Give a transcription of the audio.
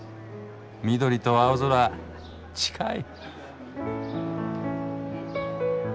緑と青空近い！